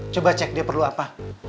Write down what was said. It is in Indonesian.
coba cek dia perlu apa